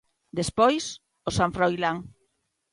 Despois, o San Froilán.